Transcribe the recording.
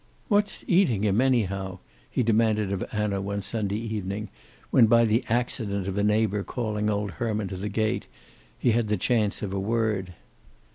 "What's eating him, anyhow," he demanded of Anna one Sunday evening, when by the accident of a neighbor calling old Herman to the gate, he had the chance of a word.